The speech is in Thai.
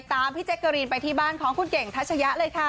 พี่แจ๊กกะรีนไปที่บ้านของคุณเก่งทัชยะเลยค่ะ